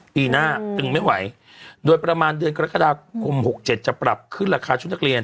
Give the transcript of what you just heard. ปีหน้าจึงไม่ไหวโดยประมาณเดือนกรกฎาคม๖๗จะปรับขึ้นราคาชุดนักเรียน